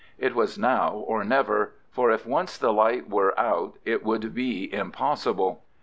It was now or never, for if once the light were out it would be impossible.